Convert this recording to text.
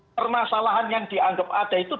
permasalahan yang dianggap ada itu